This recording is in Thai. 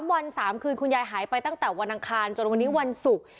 วัน๓คืนคุณยายหายไปตั้งแต่วันอังคารจนวันนี้วันศุกร์